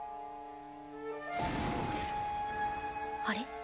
あれ？